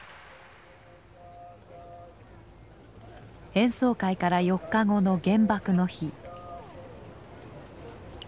演奏会から４日後の原爆の日。